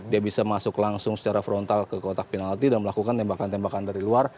dia bisa masuk langsung secara frontal ke kotak penalti dan melakukan tembakan tembakan dari luar